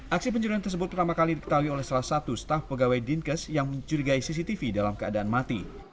aksi pencurian tersebut pertama kali diketahui oleh salah satu staf pegawai dinkes yang mencurigai cctv dalam keadaan mati